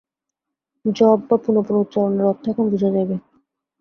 জপ বা পুনঃপুন উচ্চারণের অর্থ এখন বুঝা যাইবে।